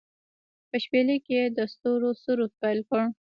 په شپیلۍ کې يې د ستورو سرود پیل کړ